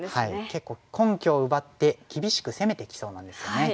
結構根拠を奪って厳しく攻めてきそうなんですよね。